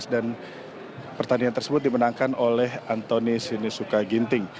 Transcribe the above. dan pertandingan tersebut dimenangkan oleh anthony sinusuka ginting